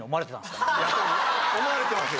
思われてますよ。